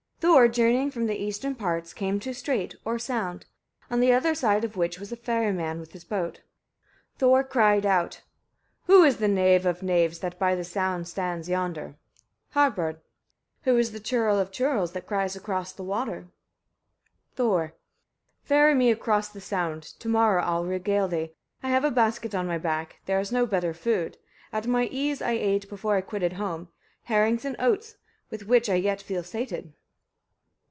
Thor journeying from the eastern parts came to a strait or sound, on the other side of which was a ferryman with his boat. Thor cried out: 1. Who is the knave of knaves, that by the sound stands yonder? Harbard. 2. Who is the churl of churls, that cries across the water? Thor. 3. Ferry me across the sound, to morrow I'll regale thee. I have a basket on my back: there is no better food: at my ease I ate, before I quitted home, herrings and oats, with which I yet feel sated.